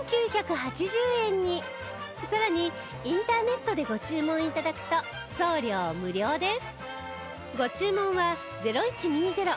さらにインターネットでご注文頂くと送料無料です